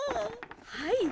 はい。